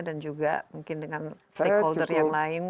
dan juga mungkin dengan stakeholder yang lain